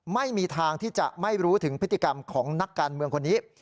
ไม่มีทางที่จะไม่รู้ถึงพฤติกรรมของนักการเมืองคนนี้